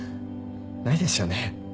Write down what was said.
ないですよね。